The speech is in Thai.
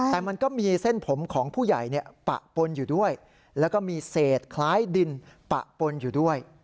แต่มันก็มีเส้นผมของผู้ใหญ่ปะปนอยู่ด้วยแล้วก็มีเศษคล้ายดินปะปนอยู่ด้วย